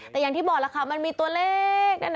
แต่อย่างที่บอกแบบนี้มันมีตัวเล็ก